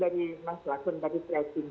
dari mas lakun tadi tracking